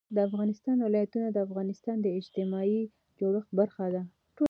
د افغانستان ولايتونه د افغانستان د اجتماعي جوړښت برخه ده.